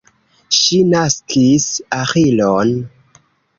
Ŝi naskis Aĥilon.